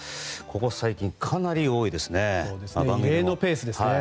ここ最近かなり多いですね。